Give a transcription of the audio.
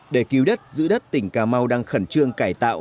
để cứu đất giữ đất tỉnh cà mau đang khẩn trương cải tạo